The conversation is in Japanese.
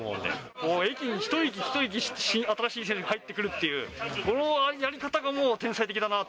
もう一駅一駅、新しい選手が入ってくるっていう、このやり方がもう、天才的だなと。